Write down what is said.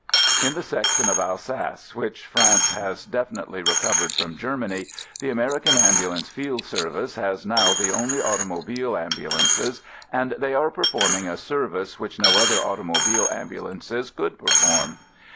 In the section of Alsace which France INTRODUCTION xiii has definitely recovered from Germany, the American Ambulance Field Service has now the only automobile ambulances and they are performing a service which no other automobile ambulances could per form.